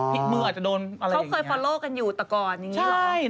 อ๋อพลิกมืออาจจะโดนอะไรอย่างนี้